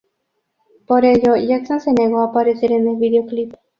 Por ello, Jackson se negó a aparecer en el videoclip.